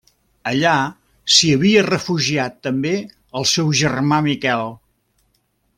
Allà s'hi havia refugiat també el seu germà Miquel.